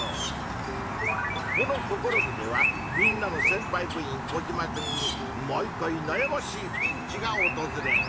この「ココロ部！」ではみんなのせんぱい部員コジマくんに毎回なやましいピンチがおとずれる。